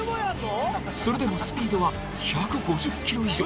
それでもスピードは１５０ｋｍ以上。